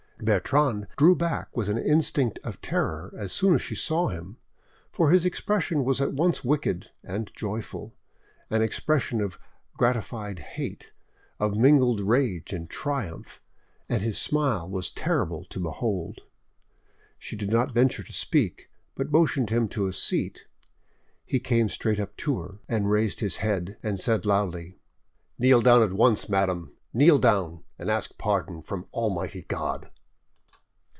Bertrande drew back with an instinct of terror as soon as she saw him, for his expression was at once wicked and joyful—an expression of gratified hate, of mingled rage and triumph, and his smile was terrible to behold. She did not venture to speak, but motioned him to a seat. He came straight up to her, and raising his head, said loudly— "Kneel down at once, madame—kneel down, and ask pardon from Almighty God!"